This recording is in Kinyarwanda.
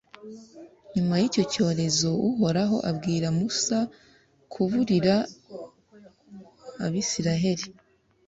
nyuma y’icyo cyorezo uhoraho abwira musa kuburira abayisiraheri.